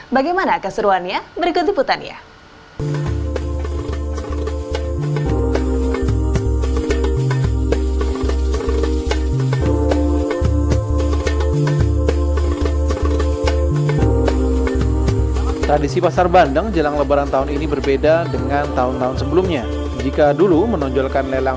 bagaimana keseruannya berikut diputarnya